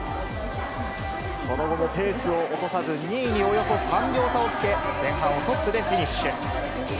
その後もペースを落とさず、２位におよそ３秒差をつけ、前半をトップでフィニッシュ。